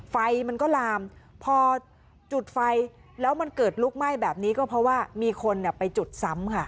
ไฟมันก็ลามพอจุดไฟแล้วมันเกิดลุกไหม้แบบนี้ก็เพราะว่ามีคนไปจุดซ้ำค่ะ